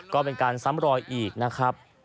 ก็เป็นการซ้ำรอยอีกนะครับ